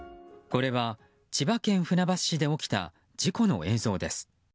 これは千葉県船橋市で起きた事故の映像です。